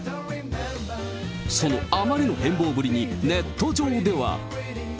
そのあまりの変貌ぶりに、ネット上では。